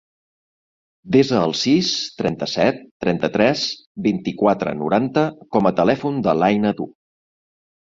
Desa el sis, trenta-set, trenta-tres, vint-i-quatre, noranta com a telèfon de l'Aina Du.